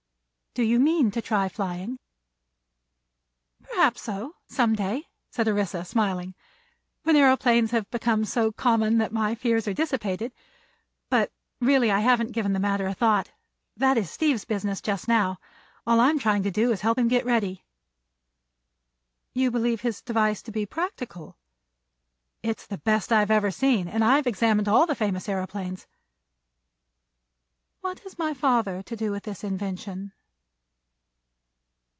Then she asked: "Do you mean to try flying?" "Perhaps so, some day," said Orissa, smiling; "when aëroplanes have become so common that my fears are dissipated. But, really, I haven't given the matter a thought. That is Steve's business, just now. All I'm trying to do is help him get ready." "You believe his device to be practical?" "It's the best I have ever seen, and I've examined all the famous aëroplanes." "What has my father to do with this invention?"